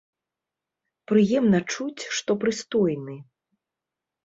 Прыемна чуць, што прыстойны.